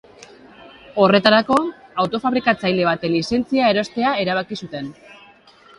Horretarako, auto-fabrikatzaile baten lizentzia erostea erabaki zuten.